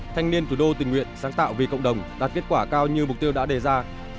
thanh niên thủ đô tình nguyện sáng tạo vì cộng đồng đạt kết quả cao như mục tiêu đã đề ra